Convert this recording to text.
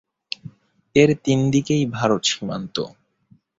এর তিন দিকেই ভারত সীমান্ত।